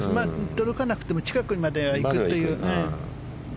届かなくても近くまでは行くというね。